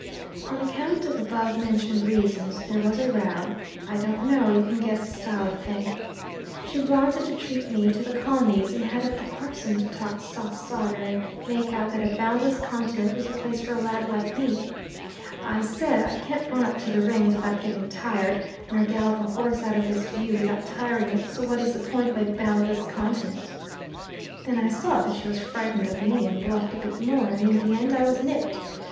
"On account of above mentioned reasons, there was a row. I don't know you can guess the style of thing. She wanted to treat me to the colonies, and had up the parson to talk soft sawder and make out that a boundless continent was the place for a lad like me. I said, 'I can't run up to the Rings without getting tired, nor gallop a horse out of this view without tiring it, so what is the point of a boundless continent?' Then I saw that she was frightened of me, and bluffed a bit more, and in the end I was nipped.